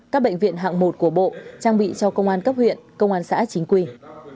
các bệnh viện hạng một của bộ trang bị cho công an cấp huyện công an xã chính quyền